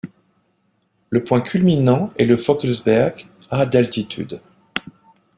Le point culminant est le Vogelsberg, à d’altitude.